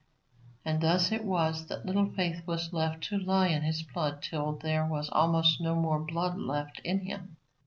And thus it was that Little Faith was left to lie in his blood till there was almost no more blood left in him.